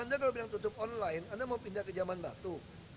anda kalau bilang tutup online anda mau pindah ke jaman batu